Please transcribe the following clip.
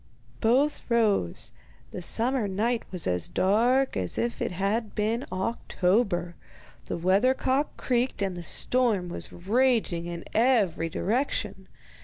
Both rose. The summer night was as dark as if it had been October, the weather cock creaked, and the storm was raging in every direction.